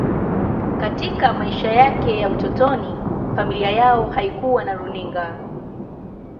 Katika maisha yake ya utotoni, familia yao haikuwa na runinga.